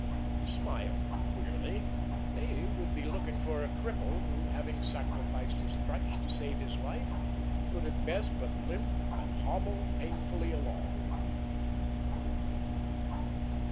He smiled queerly. They would be looking for a cripple who, having sacrificed his crutch to save his life, could at best but limp and hobble painfully along!